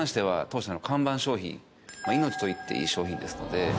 命と言っていい商品ですので。